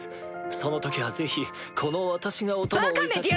その時はぜひこの私がお供をいたしましょう。